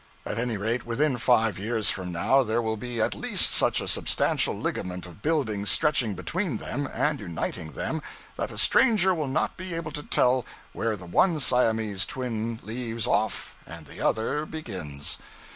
At any rate, within five years from now there will be at least such a substantial ligament of buildings stretching between them and uniting them that a stranger will not be able to tell where the one Siamese twin leaves off and the other begins.